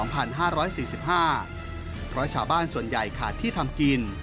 เพราะชาวบ้านส่วนใหญ่ขาดที่ทำกิน